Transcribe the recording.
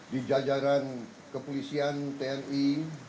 di jajaran kepolisian tni